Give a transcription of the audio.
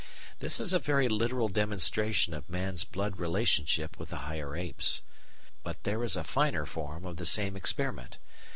This is a very literal demonstration of man's blood relationship with the higher apes. But there is a finer form of the same experiment.